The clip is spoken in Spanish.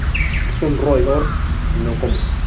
Es un roedor no común.